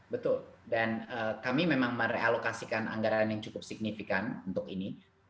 betul dan kami memang merealokasikan anggaran yang cukup signifikan untuk ini